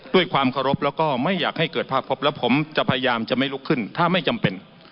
ด้วยความเคารพแล้วก็ไม่อยากให้เกิดภาคพบแล้วผมจะพยายามจะไม่ลุกขึ้นถ้าไม่จำเป็น